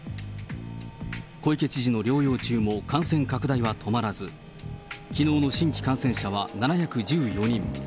小池知事の療養中も感染拡大は止まらず、きのうの新規感染者は７１４人。